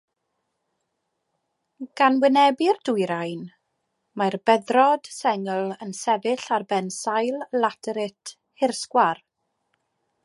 Gan wynebu'r dwyrain, mae'r beddrod sengl yn sefyll ar ben sail laterit hirsgwâr.